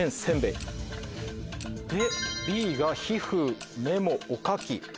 でＢが「ひふ」「メモ」「おかき」。